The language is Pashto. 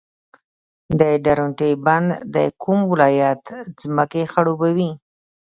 د درونټې بند د کوم ولایت ځمکې خړوبوي؟